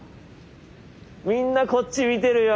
みんなこっち見てるよ。